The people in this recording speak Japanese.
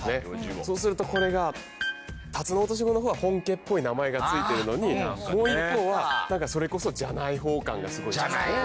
そうするとこれがタツノオトシゴの方は本家っぽい名前が付いてるのにもう一方はそれこそじゃない方感がすごい。